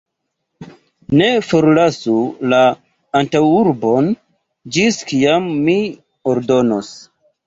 Ne forlasu la antaŭurbon, ĝis kiam mi ordonos!